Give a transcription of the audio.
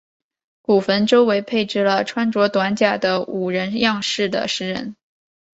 古坟周围配置了穿着短甲的武人样式的石人。